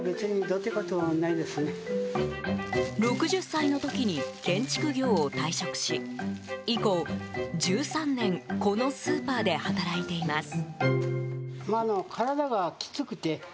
６０歳の時に建築業を退職し以降、１３年このスーパーで働いています。